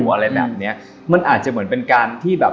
อะไรแบบเนี้ยมันอาจจะเหมือนเป็นการที่แบบ